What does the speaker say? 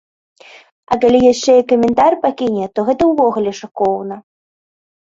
А калі яшчэ і каментар пакіне, то гэта ўвогуле шыкоўна.